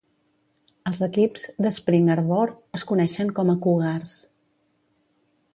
Els equips d'Spring Arbor es coneixen com a Cougars.